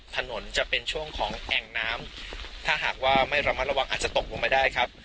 ถนนจะเป็นช่วงของแอ่งน้ำถ้าหากว่าไม่ระมัดระวังอาจจะตกลงไปได้ครับ